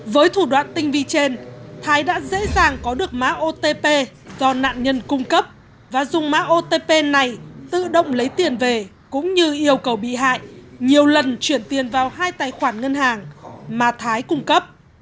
với thủ đoạn tinh vi trên thái đã dễ dàng có được mã otp do nạn nhân cung cấp và dùng mã otp này tự động lấy tiền về cũng như yêu cầu bị hại nhiều lần chuyển tiền vào hai tài khoản ngân hàng mà thái cung cấp